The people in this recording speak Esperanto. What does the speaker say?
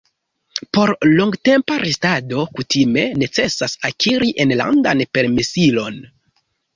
Por longtempa restado kutime necesas akiri enlandan permesilon.